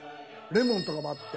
レモンとかもあって。